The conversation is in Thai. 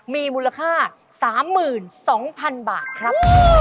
มีมูลค่า๓๒๐๐๐บาทครับ